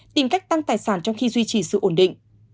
tìm cách tăng tài sản trong khi duy trì sự ổn định